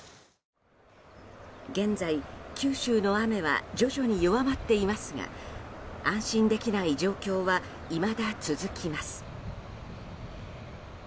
現在、九州の雨は徐々に弱まっていますが安心できない状況はいまだ続きます。